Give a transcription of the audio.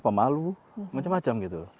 pemalu macam macam gitu